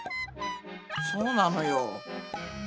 そうなのよ。